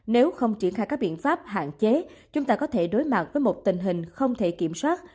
nếu không triển khai các biện pháp hạn chế chúng ta có thể đối mặt với một tình hình không thể kiểm soát